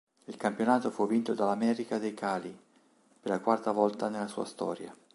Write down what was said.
Il campionato fu vinto dall'América de Cali per la quarta volta nella sua storia.